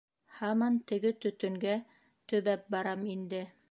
Һаман теге төтөнгә төбәп барам инде.